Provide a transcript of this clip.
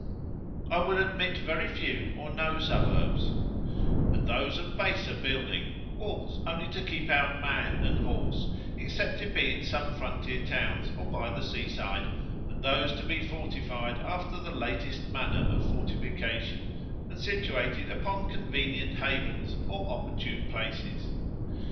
I will admit very few or no suburbs, and those of baser building, walls only to keep out man and horse, except it be in some frontier towns, or by the sea side, and those to be fortified after the latest manner of fortification, and situated upon convenient havens, or opportune places.